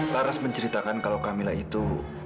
laras menceritakan kalau camillah itu